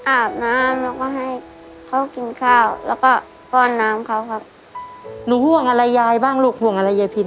อาบน้ำแล้วก็ให้เขากินข้าวแล้วก็ป้อนน้ำเขาครับหนูห่วงอะไรยายบ้างลูกห่วงอะไรยายพิน